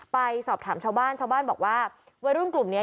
ไปสอบถามชาวบ้านชาวบ้านบอกว่าวัยรุ่นกลุ่มเนี้ย